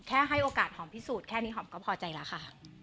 ให้โอกาสหอมพิสูจน์แค่นี้หอมก็พอใจแล้วค่ะ